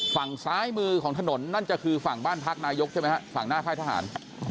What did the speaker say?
ฝั่งซ้ายมือของถนนนั่นจะคือฝั่งบ้านพักนายกใช่ไหมฮะฝั่งหน้าค่ายทหาร